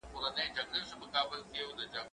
زه به اوږده موده مېوې خوړلې وم!.